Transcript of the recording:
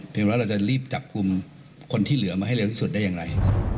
ว่าเราจะรีบจับกลุ่มคนที่เหลือมาให้เร็วที่สุดได้อย่างไร